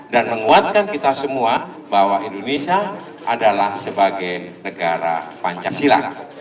dan menguatkan kita semua bahwa indonesia adalah sebagai negara pancasila